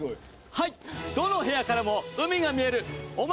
はい！